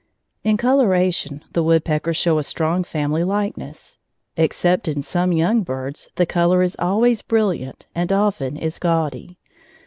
In coloration the woodpeckers show a strong family likeness. Except in some young birds, the color is always brilliant and often is gaudy.